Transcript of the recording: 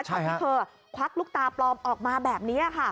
ที่เธอควักลูกตาปลอมออกมาแบบนี้ค่ะ